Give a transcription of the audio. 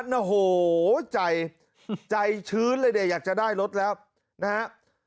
โอ้โหใจใจชื้นเลยเนี่ยอยากจะได้รถแล้วนะฮะ